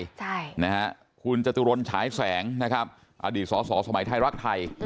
อเจมส์คุณจตุรนร์ฉายแสงนะครับอดีตสอสมัยไทยรักไทย